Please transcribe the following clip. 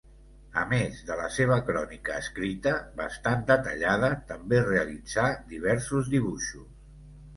A més de la seva crònica escrita, bastant detallada, també realitzà diversos dibuixos.